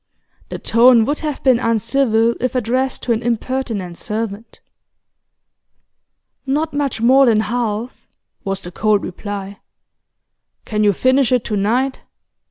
The tone would have been uncivil if addressed to an impertinent servant. 'Not much more than half,' was the cold reply. 'Can you finish it to night?